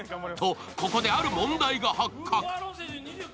と、ここである問題が発覚。